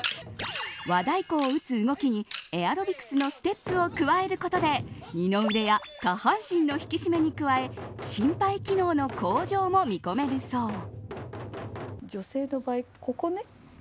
和太鼓を打つ動きにエアロビクスのステップを加えることで二の腕や下半身の引き締めに加え心肺機能の向上も見込めるそう。